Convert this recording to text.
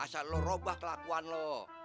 asal lo rubah kelakuan lo